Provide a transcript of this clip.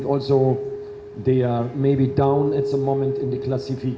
karena para pemain saya pikir mungkin sedikit turun di klasifik